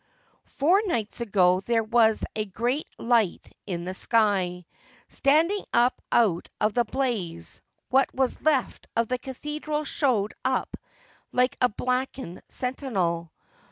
Four nights ago there was a great light in the sky. Standing up out of the blaze what was left of the cathedral showed up like a blackened sentinel.